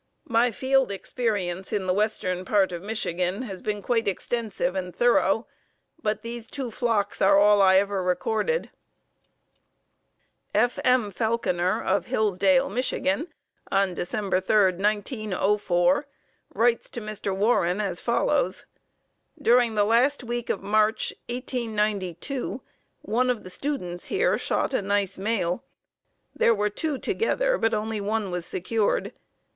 My field experience in the western part of Michigan has been quite extensive and thorough, but these two flocks are all I ever recorded." F. M. Falconer of Hillsdale, Mich., on Dec. 3, 1904, writes to Mr. Warren as follows: "During the last week of March, 1892, one of the students here shot a nice male. There were two together, but only one was secured.